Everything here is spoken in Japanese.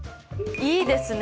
いいですね！